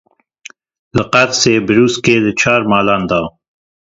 Li Qersê brûskê li çar malan da.